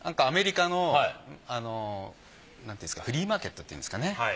アメリカのフリーマーケットっていうんですかね。